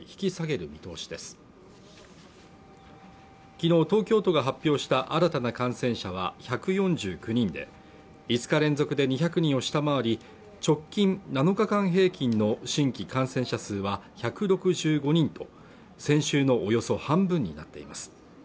昨日東京都が発表した新たな感染者は１４９人で５日連続で２００人を下回り直近７日間平均の新規感染者数は１６５人と先週のおよそ半分になっています